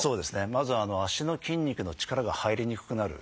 まず足の筋肉の力が入りにくくなる。